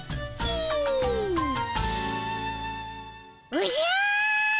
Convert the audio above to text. おじゃ！